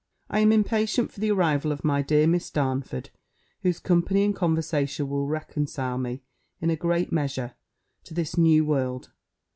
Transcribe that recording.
I am impatient for the arrival of my dear Miss Darnford, whose company and conversation will reconcile me, in a great measure, to this new world.